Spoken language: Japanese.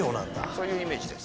そういうイメージです。